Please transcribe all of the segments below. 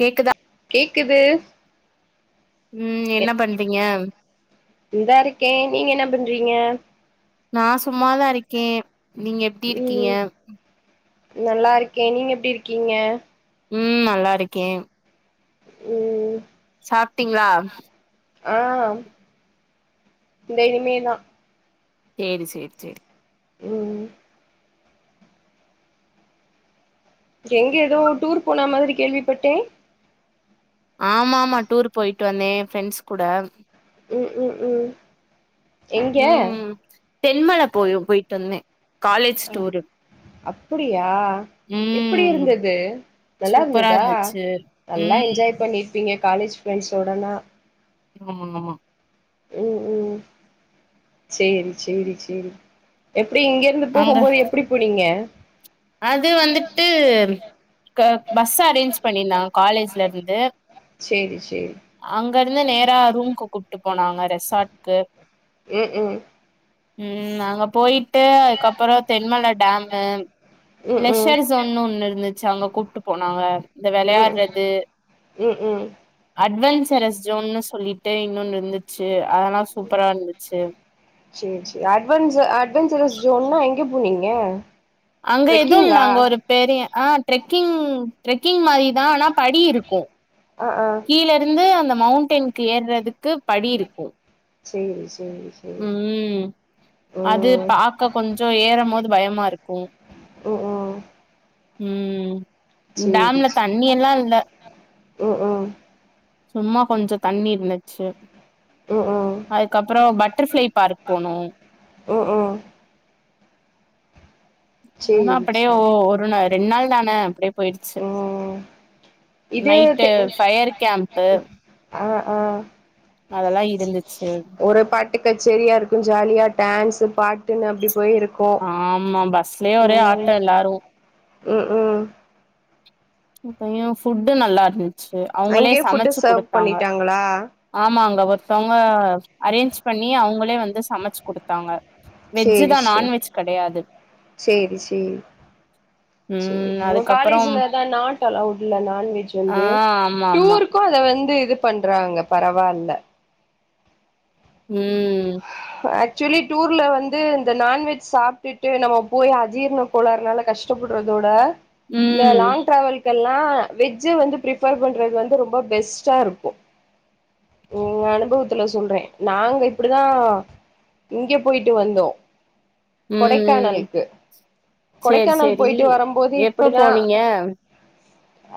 கேக்குதா கேக்குது ம் என்ன பண்றீங்க இந்தா இருக்கே நீங்க என்ன பன்றிங்க நா சும்மாதா இருக்கே நீங்க எப்டி இருக்கீங்க ம் நல்லா இருக்கே நீங்க எப்டி இருக்கீங்க ம் நல்லா இருக்கே ம் சாப்டிங்ளா ஆ இந்த இனிமேதா சேரி சேரி சேரி ம் எங்க எதோ டூர் போன மாதிரி கேள்விப்பட்டே ஆமாமா டூர் போயி ட்டு வந்தே ஃப்ரெண்ஸ் கூட ம் ம் ம் எங்க ம் தென்மல போயும் போய்ட்டு வந்தே காலேஜ் அ டூரு அப்புடியா ம் எப்புடியிருந்தது சூப்பரா நல்லாருந்ததா இருந்துச்சு நல்லா ம் என்ஜாய் பண்ணிருப்பிங்க காலேஜ் ஃப்ரெண்ஸ்சோடனா ஆமா ஆமா ம் ம் சேரி சேரி சேரி எப் ப்டி இங்கெருந்து அங்க போகும்போது எப்டி போனிங்க அது வந்துட்டு க பஸ் அரேஞ்ச் பண்ணியிருந்தகா காலேஜ்லயிருந்து சேரி சேரி அங்கருந்து நேரா ரூம்கு கூட் ட்டு போனாக ரெசட்கு ம்ம் ம் நாங்க போயிட்டு அதுகப்புற தென்மலடேமு ம் ம் லெஷர் ஜோனு ஒன்னு இருந்து வச்ச அங்க கூட்டு போனாங்க இந்த ம் விளையாறது ம் ம் அட்வெஞ்சரஸ் ஜோனு சொல்லிட்டு இன்னொனு இருதுச்சு அதலாம் சூபரா இருந்துச்சு சேரி சேரி அட் அட்வஞ் அட்வஞ்சரஸ் ஜோனல் எங் எங்க போனீக அங்க எதுயில்லா அங்க ஒரு பெரிய அஹா ட்ரெக்கிங் ட்ரெக்கிங் மாரி தா ஆனா படியிருக்கே ஆ ஆ கீழ இருந்து அந்த மவுண்டெனுக்கு ஏறுறதுக்கு படி இருக்கும் சேரி சேரி சேரி உம் அது ம் பாக்க கொஞ்ச ஏற போது பயமா இருக்கு உ உம் உம் டேம்ல சேரி தண்ணி எல்ல இல்ல ம் ம் சும்மா கொஞ்ச தண்ணி இருந்துச்சு ம் ம் அதுக்கப்புற பட் பட்டர்ஃப்ளை பார்க் போனோம் உ உம் அதாதா சேரி அப்படியே ஒ சேரி ஒரு நா ரெண்டு நாள் தானே அப்படியே போயிடுச்சு ம் இது நைட்டு டெ பாயர் கேம்பு ஆஹ் ஒரு பாட்டு கச்சரியா இருக்கு ஜாலியா டான்ஸ் பாட் டின அப்படி ஆமா பஸ்லயே ஒரே ஆட்டோ எல்லாரு உம் உம் அப்ய புட் நல்லா இருந்து ச்சு அவங்களே அங்கேயே ஃபுட்டு சமைச்சு சர்வ் கொடுத்தாங்க பண்ணிட்டாங்களா ஆமாங்க ஒருத்தவங்க அரேஞ்ச் பண்ணி அவங்களே வந்து சமைச்சு கொடுத்தாங்க வெஜ் சேரி தான் சேரி நான்வெஜ் கிடையாது சேரி சேரி உம் அதுக்கப்புறம் ல நாட் அலவுட் இல்ல நான்வெஜ் ஆ வந்து ஆமா ஆமா டூருக்கு அத வ ந்து இது பண்றாங்க பரவாயில்ல உம் ஆக்சுவலி டூரில வந்து இந்த நான்வெஜ் சாப்பிட்டுட்டு நம்ம போய் அஜீர்ண கோளாறுனால கஷ்டப்படுறதோட இந்த ம் லாங் டிராவல் கு எல்லாம் வெஜ் வந்து பிரிபேர் பண்றது வந்து ரொம்ப பெஸ்ட்டா இருக்கும் உம் அனுபவத்துல சொல்றேன் நாங்க இப்படிதான் இங்க போயிட்டு வந்தோம் ம் ம் கொடைக்கானலுக்கு சேரி கொடைக்கானல் சேரி போயிட்டு வரும்போது எப்ப இப்படிதான் போனீங்க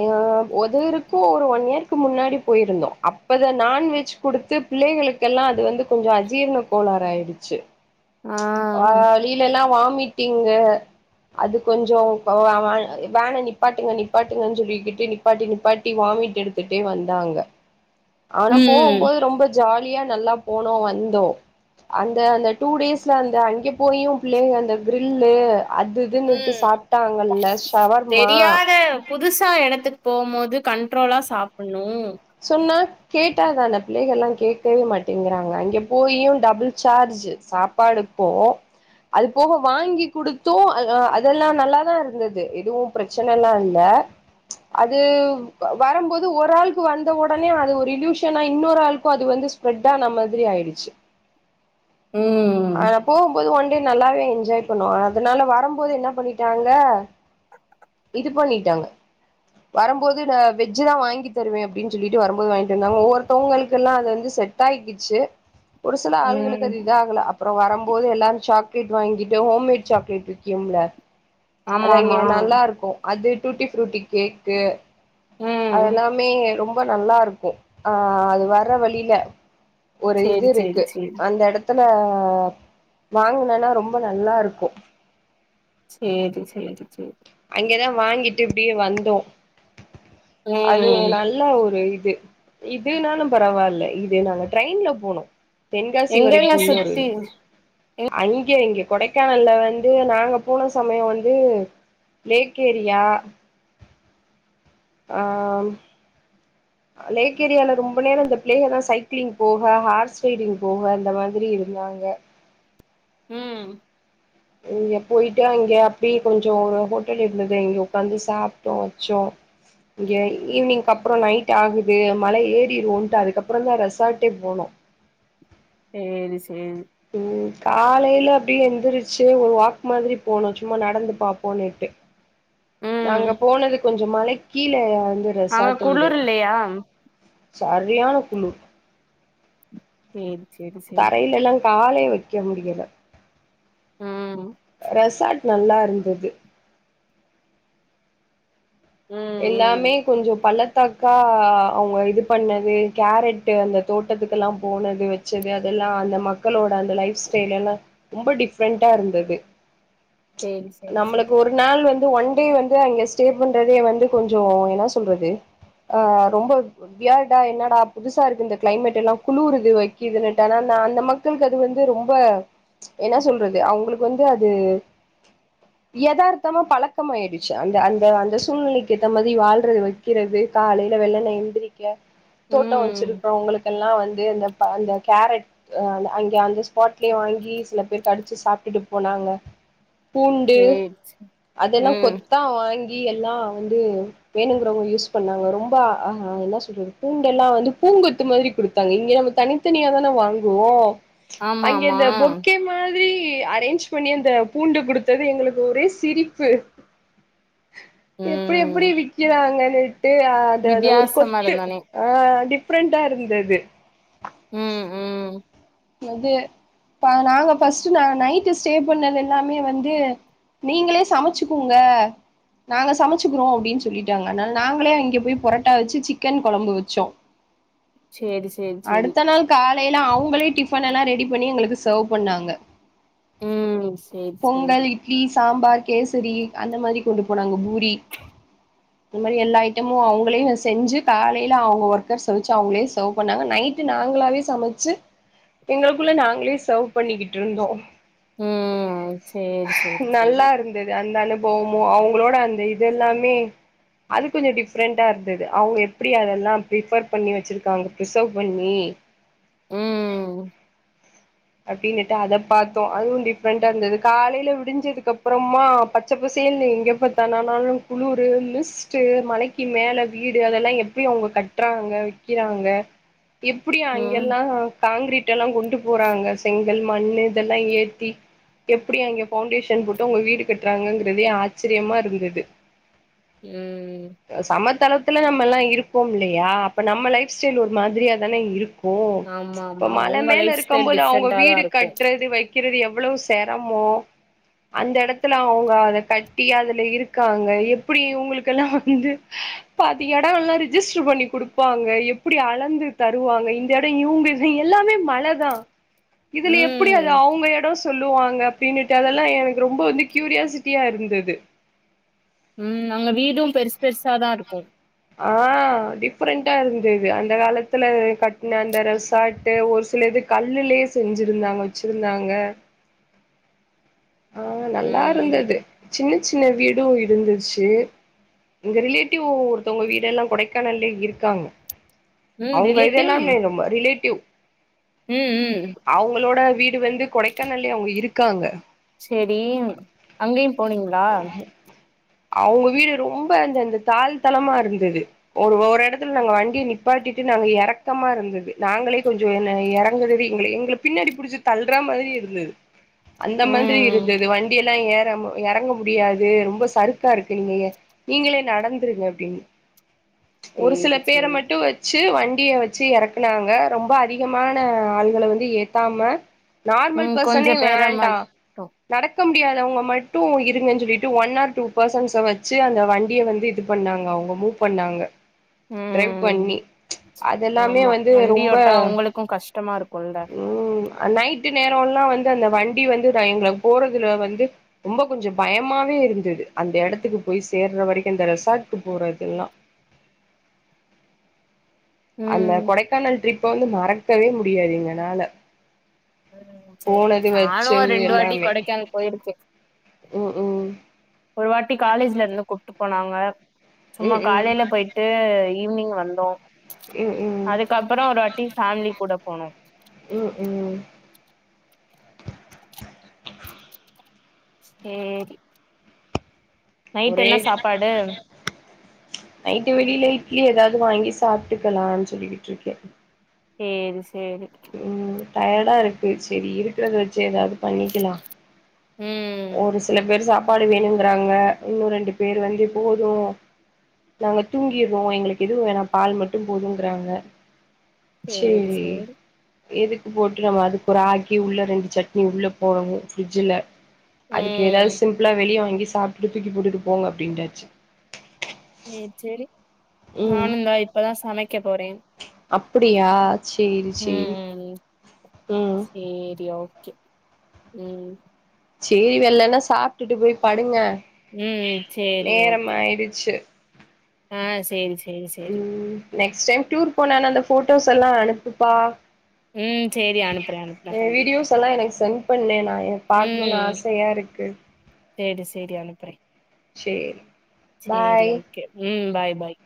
ஆஹ் உதவருக்கும் ஒரு ஒன் இயருக்கு முன்னாடி போயிருந்தோம் அப்ப இத நான்வெஜ் கொடுத்து பிள்ளைகளுக்கெல்லாம் அது வந்து கொஞ்சம் அஜீர்ண கோளாறு ஆயிடுச்சு ஆ வழியில எல்லாம் வா மிட்டிங்கு அது கொஞ்சம் வேனை நிப்பாட்டுங்க நிப்பாட்டுங்கன்னு சொல்லிக்கிட்டு நிப்பாட்டி நிப்பாட்டி வாமிட் எடுத்துட்டே வந்தாங்க ஆனா ம் போகும்போது ரொம்ப ஜாலியா நல்லா போனோம் வந்தோம் அந்த அந்த டூ டேஸ்ல அந்த அங்கே போயும் பிள்ளைங்க அந்த கிரில்லு அது இதுன்னுட்டு ம் சாப்பிட்டாங்கல்ல ஷவர்மா தெரியாத புதுசா இடத்துக்கு போகும்போது கண்ட்ரோலா சாப்புட்ணும் கேட்டாத அந்த பிள்ளைகள் எல்லாம் கேட்கவே மாட்டேங்கிறாங்க அங்க போயும் டபுள் சார்ஜ் சாப்பாடுப்போ அது போக வாங்கி கொடுத்தும் அதெல்லாம் நல்லாதான் இருந்தது எதுவும் பிரச்சனை எல்லாம் இல்ல அது வரும்போது ஒர் ஆள் வந்த உடனே அது ஒரு இயூஷனா இன்னொரு ஆளுக்கும் அது வந்து ஸ்ப்ரெட் ஆன மாதிரி ஆயிடுச்சு ம் ஆனா போகும்போது ஒன் நல்லாவே என்ஜாய் பண்ணுவான் அதனால வரும்போது என்ன பண்ணிட்டாங்க இது பண்ணிட்டாங்க வரும்போது நான் வெஜ் தான் வாங்கி தருவேன் அப்படி சொல்லிட்டு வரும்போது வாங்கிட்டு இருந்தாங்க ஒவ்வொருத்தவங்களுக்கு எல்லாம் அது வந்து செட் ஆகிக்கிச்சு ஒரு சில ஆள்களுக்கு ம் அது இதுஆகல அப்புறம் வரும்போது எல்லாரும் சாக் லேட் வாங்கிட்டு ஹோம்மேட் சாக்லேட் விக்கும்ல அது அங்க ஆமாமா நல்லா இருக்கும் அது டூட்டி ஃப்ரூட்டி கேக்கு ம் அதெல்லாமே ரொம்ப நல்லா இருக்கும் ஆஹ் அது வர்ற வழில ஒரு இது சேரி சேரி இருக்கு சேரி அந்த இடத் த்துல வாங்கினோன்னா ரொம்ப நல்லா இருக்கும் சேரி சேரி சேரி இங்கதான் வாங்கிட்டு இப்படியே வந்தோம் அது ம் நல்லா ஒரு இதுனாலும் பரவாயில்ல இது நாங்க ட்ரெயின்ல போனும் எங்க எல்லாம் சுத்தி அங்க இங்க கொடைக்கானல்லல வந்து நாங்க போன சமயம் வந்து லேக் ஏரியா ஆஹ் லேக் ஏரியால ரொம்ப நேரம் இந்த பிள்ளேக எல்லாம் தான் சைக்கிளிங் போக ஹார்ஸ் ரைடிங் போக அந்த மாதிரி இருந்தாங்க உம் இங்க போய்டு அங்கே அப்டியே கொஞ்சம் ஒரு ஹோட்டல் இருந்தது அங்க உக்காந்து சாப்டோம் வச்சோம் இங்க ஈவினிங் அப்புறம் நைட் ஆகுது மழை ஏறிருவோம் அதுக்கப்புறம் தான் ரெசாட்டே போனோம் சேரி சே உம் காலையில அப்டி எந்திரிச்சு ஒரு வாக் மாரி போனும் சும்மா நடந்து பாப்போனுட்டு ம் நாங்க போனது கொஞ்சம் மழை கீழயாது அங்க குளுர் இல்லயா சரியான குளுர் சேரி சேரி சேரி தரையிலல்லா காலே வக்கே முடியல ம் ரெசார்ட் நல்லா இருந்தது ம் ம் எல்லாமே கொஞ்சம் பள்ள த்தாக்கா அவூங்க இது பண்ணது கேரட்டு் அந்த தோட்டத்துக்கு எல்லாம் போனது வச்சது அதெல்லாம் அந்த மக்களோட அந்த லைஃப் ஸ்டைல் எல்லாம் ரொம்ப டிஃப்ரெண்டண்டா இருந்தது சேரி சேரி சேரி நம்மளுக்குஒரு நாள் வந்து ஒன் டே வந்து அங்க ஸ்டே பண்றதே வந்து கொஞ்சம் என்ன சொல்றது அஹ் ரொம்ப வியா்டா என்னடா புதுசா இருக்கு இந்த கிளைமேட் எல்லாம் குழுறுது வைக்கது அந்த மக்களுக்கு அது வந்து ரொம்ப என்ன சொல்றது அவங்களுக்எகு வந்து அது யதார்த்தமா பழக்கமாயிடுச்சு அந்த அந்த அந்த சூழ்நிலைக்கு ஏத்தமாறி வாழ்றது வைக்கிறது காலையில வெள்ளணா எந்திரிக்க தோட்டம் ம் வெச்சிருக்கிறவுங்கெல்லாம் வந்து அந்த அந்த கேரட் அங்க அந்த ஸ்பாட்லயே வாங்கி சில பேர் கடிச்சு சாப்பிட்டுட்டு போனாங்க பூண்டு சேரி சே அதெல்லாம் ம் கொத்தா வாங்கி இ எல்லாம் வந்து வேணுங்கிறவுங்க யூஸ் பண்ணாங்க ரொம்ப என்ன சொல்றது பூண்டெல்லாம் வந்து பூங்கொத்து மாரி கொடுத்தாங்க இங்கே நம்ம தனித்தனியா தான வாங்குவோம் அங்க ஆமாமா இந்த பொக்கே மாரி அரேஞ்ச் பண்ணி அந்த பூண்டு குடுத்தது எங்களுக்கு ஒரே சிரிப்பு எப்டி எப்டி ம் விக்கிறாங்கன்னுட்டு அத ஒரு வித்தியாசமா கொத்து இருந்தானே. ஆஹ் டிஃரெண்டா இருந்தது உம் உம் அது நாங்க ஃபஸ்ட் நா நைட் ஸ்டே பண்ணது எல்லாமே வந்து நீங்களே சமைச்சுக்கோங்க நாங்க சமைச்சுக்கிறோம் அப்படின்னு சொல்லிட்டாங்க அதனால நாங்களே இங்க போய் புரோட்டா வச்சு சிக்கன் குழம்பு வச்சோம் சேரி சேரி சேரி அவுங்களே டிப் டிபன் எல்லாம் ரெடி பண்ணி எங்களுக்கு சேவ் பண்ணாங்க உம் சேரி சேரி பொங்கல் இட்லி சாம்பார் கேசரி அந்த மாதிரி கொண்டு போனாங்க பூரி இந்த மாரி எல்லா ஐட்டமும் அவங்களையும் செஞ்சு காலையில அவுங்க ஒர்க்கர்வச்சு அவுங்களே செவ் பண்ணாங்க நைட்டு நாங்களாவே சமைச்சு எங்களுக்குள்ள நாங்களே சேவ் பண்ணிக்கிட்டு இருந்தோம் ம். சேரி, சேரி, சேரி. நல்லா இருந்தது அந்த அனுபவ போமோ அவங்களோட அந்த இது எல்லாமே அது கொஞ்சம் டிஃப்ரெண்டண்டா இருந்தது அவங்க எப்படி அதெல்லாம் பிபர் பண்ணி வச்சிருக்காங்க ரிசர்வு பண்ணி உம் அப்படின்னுட்டு அத பார்த்தோம் அதுவும் டிஃப்ரெண்டண்டா இருந்தது காலையில விடிஞ்சதுக்கு அப்புறமா பச்சை பசேல் எங்க பத்தனாலும் குளிர் மிஸ்ட்ட் மலைக்கு மேல வீடு அதெல்லாம் எப்படி அவங்க கட்டுறாங்க விக்கிறாங்க எப்படியா ம். அங்கெல்லாம் காங்கிரட் எல்லாம் எல்லாம் கொண்டு போறாங்க செங்கல் மண்ணு இதெல்லாம் ஏத்தி எப்படி அங்க பவுண்டேஷன் போட்டு அவங்க வீடு கட்டுறாங்கங்கிறதே ஆச்சரியமா இருந்தது உம் தளத்துல நம்ம எல்லாம் இருப்போம் இல்லையா அப்ப நம்ம லைப் ஸ்டைல் ஒரு மாதிரிய தானே இருக்கும் ஓ இப்ப ஆமாமா. மலை அவுங்க மேல லைஃப் இருக்கும் ஸ்டைல் போது அவங்க டிஃப்ரெண்ட்டா தான் வீடு இருக்கும். கற்றது வை வக்கிறது எவ்வளவு சிரமம் அந்த இடத்துல அவங்க அத கட்டி அதுல இருக்காங்க எப்படி இவங்களுக்கெல்லாம் வந்து பா்த்த இடம்ல்லாம் ரிஜிஸ்டர் பண்ணி கொடுப்பாங்க எப்படி அளந்து தருவாங்க இந்த இடம் இவங்களது எல்லாமே மழைதான் இதுல எப்படி ம். அது அவங்க இடம் சொல்லு சொல்லுவாங்கஅப்படின்னுட்டு அதெல்லாம் எனக்கு ரொம்ப வந்து கியூரியாசிட்டியா இருந்தது உம் அங்க வீடும் பெருசு பெருசு தான் இருக்கும் ஆஹ் டிஃப்ரெண்டண்டா இருந்தது அந்த காலத்துல கட்டின அந்த ரெசார்ட் ஒரு சில இது கல்லுலயே செஞ்சிருந்தாங்க வச்சிருந்தாங்க ஆஹ் நல்லா ம். இருந்தது சின்ன சின் சின்ன வீடும் இருந்துச்சு இங்க ரிலேட்டிவ் ஒருத்தவங்க வீடு எல்லாம் கொடைக்கானலய இருக்காங்க ம். அவங்க இது நாமே நம்ம ரிலேட்டிவ் உம் உம் அவங்களோட வீடு வந்து கொடைக்கானல்லி அவங்க இருக்கு இருக்காங்க சரி அங்கயும் போனீங்களா அவங்க வீடு ரொம்ப அந்த அந்த தாள் தளமா இருந்தது ஒரு ஒரு இடத்துல நாங்க வண்டியை நிப்பாட்டிட்டு நாங்க இறக்கமா இருந்தது நாங்களே கொஞ்சம் இறங்குறது எங்க எங்களை பின்னாடி புிடிச்சு தள்ளற மாதிரி இருந்தது அந்த ம ம். இருந்தது வண்டிெல்லாம் ஏற இறங்க முடியாது ரொம்ப சறுக்கா இருக்கு நீங்க நீங்களே நடந்துருங்க அப்படின்னு ஒரு சில சேரி, பேரை சேரி. மட்டும் வச்சு வு வண்டிய வச்சு இறக்குனாங்க ரொம்ப அதிகமான ஆள்களை வந்து ஏத்தாம நார்மல் ம். பர்சனே கொஞ்சம் பேர வேண்டாம் மட்டும். நடக்க முடியாதவங்க மட்டும் இருங்கன்னு சொல்லிட்டு ஒன் ஆர் டூ பர்சன்ஸ வச்சு அந்த வண்டிய வந்து இது பண்ணாங்க அவங்க மூவ் பண்ணாங்க டிரைவ் உம் பண்ணி அதெல்லாமே ஆமா வந்து ரொம்ப வண்டியோட்டா உங்களுக்கும் கஷ்டமா இருக்கும்ல ம் நைட்டு நேரம் எல்லாம் வந்து அந்த வண்டி வந்து நான் எங்க போறதுல வந்து ரொம்ப கொஞ்சம் பயமாவே இருந்தது அந்த இடத்துக்கு போய் சேர்ற வரைக்கும் அந்த ரெசார்ட்டுக்கு போறது எல்லாம் அந்த ம் கொடைக்கானல் ட்ரிப் இப்ப வந்து மறக்கவே முடியாதுங்கனால உம் சரி நானும் ரெண்டு வாட்டி கொடைக்கான போயிருக்கேன் உஓம் உம் ஒரு வாட்டி காலேஜ்ல இருந்து கொட்டு போனாங்க சும்மா ம் ம் காலையில போயிட்டு ஈவி்னிங் வந்தோம் ம் அதுக்கப்புறம் ஒரு வாட்டி ஃபேமிலி கூட போனோ உம் உம் சரிரி நைட் ஒரே என்ன சாப்பாடு நைட்டு வெளியில இட்லி ஏதாவது வாங்கி சாப்பிட்டுக்கலாம்னு சொல்லிட்டு இருக்கேன் செரி செரி டயர்டா இருக்கு ம் ஒரு சில பேர் சாப்ப சப்பாடு வேணுங்கிறாங்க இன்னும் ரெண்டு பேர் வந்து போதும் நாங்க தூங்கிடுவோம் எங்களுக்கு எது வேணா பால் மட்டும் போதும்ங்கிறாங்க செரி செரி எதுக்கு போட்டு நம்ம அதுக்கு ஒரு ஆக்கி உள்ள ரெண்டு சட்னி உள்ள போனமும் ஃப்ரிட்ஜில அதுக்கு ஏதாவது ம் சிம்பிளா வெளியே வாங்கி சாப்பிட்டு தூக்கி போட்டுட்டு போங்க அப்படியென்ன ச் செரி நானும்ந்தா இப்பதான் சமைக்க போறேன் அப்படியா செரி செரி செரி ஓகே உம் சரி வெள்ளைன்னா சாப்பிட்டுட்டு போய் படுங்க ம் நேரம் ஆயிடுச்சு ஆஹ் செரி செரி செரி செரி ம் நெக்ஸ்ட் டைம் டூர் போனானனு அந்த போட்டோஸ் எல்லாம் அனுப்புப்பா ம் சேரி நெக்ஸ் வீடியோ அனுப்புறே அனுப்புறே வீடியோஸ் எல்லாம் எனக்கு சேன் பண்ணு எ பாக்கணுனு உம் ஆசையா இருக்கு செரி செரி அனுப்புறேன் சேரி சேரி பாய் கே உம் பாய் பாய்